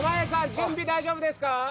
準備大丈夫ですか？